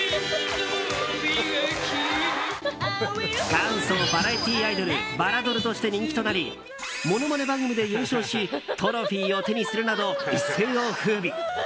元祖バラエティーアイドルバラドルとして人気となりものまね番組で優勝しトロフィーを手にするなど一世を風靡。